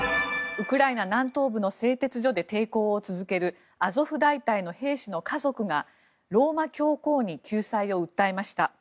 ウクライナ南東部の製鉄所で抵抗を続けるアゾフ大隊の兵士の家族がローマ教皇に救済を訴えました。